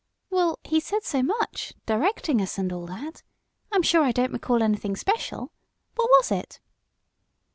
"Well, he said so much, directing us, and all that I'm sure I don't recall anything special. What was it?"